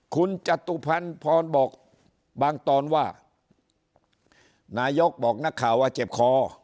คุณจตุพรบอกบางตอนว่านายกบอกนักข่าวว่าเจ็บคอ